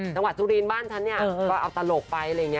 จังหวัดสุรีนบ้านฉันเนี่ยก็เอาตลกไป